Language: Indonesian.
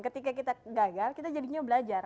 ketika kita gagal kita jadinya belajar